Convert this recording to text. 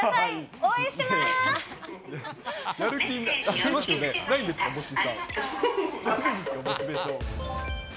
応援してます。